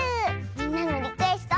みんなのリクエストをだ